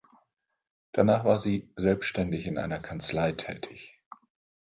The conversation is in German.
Danach war sie selbständig in einer Kanzlei tätig.